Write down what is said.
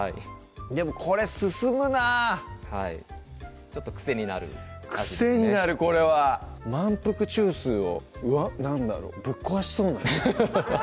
でもこれ進むなはいちょっと癖になる癖になるこれは満腹中枢を何だろうぶっ壊しそうなね